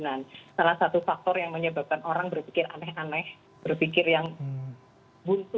kalau saya sih yang penting adalah bagaimana masyarakat itu bisa mengikuti